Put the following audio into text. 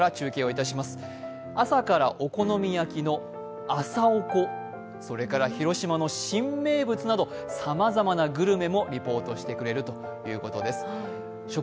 朝からお好み焼きのあさおこ、それから広島の新名物などさまざまリポートしてくれるということです。